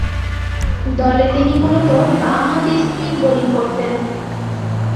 দলে তিনি মূলতঃ বামহাতি স্পিন বোলিং করতেন।